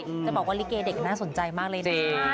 จะบอกว่าลิเกเด็กน่าสนใจมากเลยนะ